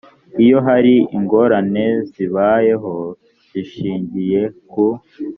iyo hari ingorane zibayeho zishingiye ku